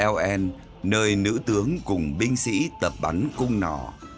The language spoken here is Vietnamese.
l n nơi nữ tướng cùng binh sĩ tập bắn cung nỏ